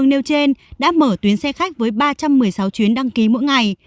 nêu trên đã mở tuyến xe khách với ba trăm một mươi sáu chuyến đăng ký mỗi ngày